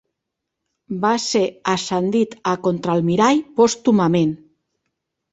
Va ser ascendit a contraalmirall pòstumament.